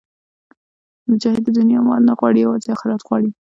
مجاهد د دنیا مال نه غواړي، یوازې آخرت غواړي.